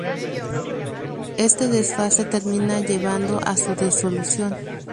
Este desfase termina llevando a su disolución.